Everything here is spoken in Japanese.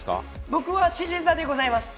僕は、しし座でございます。